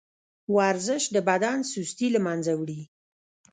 ورزش د بدن سستي له منځه وړي.